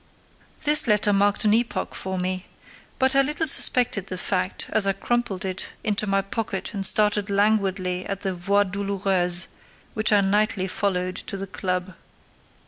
This letter marked an epoch for me; but I little suspected the fact as I crumpled it into my pocket and started languidly on the voie douloureuse which I nightly followed to the club.